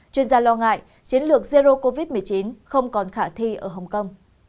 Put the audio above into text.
chuyên gia lo ngại chiến lược zero covid một mươi chín không còn khả thi ở hồng kông